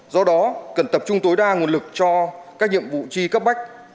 do đó cần tập trung tối đa nguồn lực cho các nhiệm vụ chi cấp bách